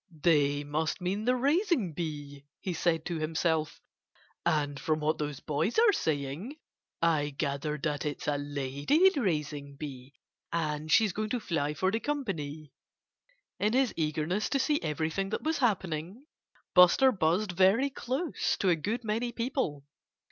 "They must mean the raising bee," he said to himself. "And from what those boys are saying I gather that it's a lady raising bee and she's going to fly for the company." In his eagerness to see everything that was happening, Buster buzzed very close to a good many people.